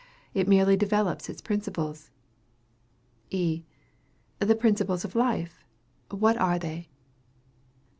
It merely develops its principles. E. The principles of life what are they?